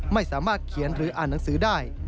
ไม่สามารถเขียนหรืออ่านหนังสือได้